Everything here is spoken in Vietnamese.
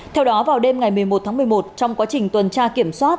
theo đó vào đêm ngày một mươi một tháng một mươi một trong quá trình tuần tra kiểm soát